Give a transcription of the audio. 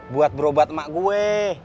buat berobat emak gue